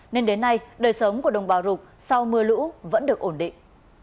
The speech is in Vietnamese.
nên đến nay đời sống của đồng bào rục sau mưa lũ vẫn được ổn định